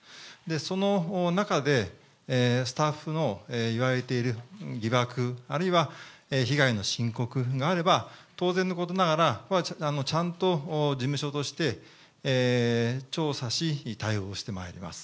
その中でスタッフのいわれている疑惑、あるいは被害の申告があれば、当然のことながら、ちゃんと事務所として調査し、対応してまいります。